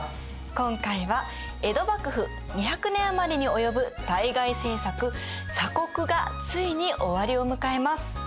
今回は江戸幕府２００年余りに及ぶ対外政策鎖国がついに終わりを迎えます。